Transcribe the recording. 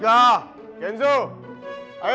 aku mau ke rumah reno